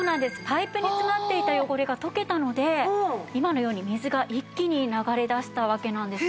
パイプに詰まっていた汚れが溶けたので今のように水が一気に流れ出したわけなんですよね。